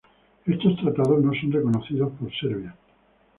Estos tratados no son reconocidos por Serbia.